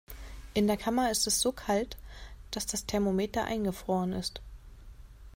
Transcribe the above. In der Kammer ist es so kalt, dass das Thermometer eingefroren ist.